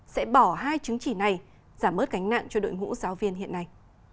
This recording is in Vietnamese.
sẽ bỏ hai chứng chỉ này giảm bớt gánh nặng cho đội ngũ giáo viên hiện nay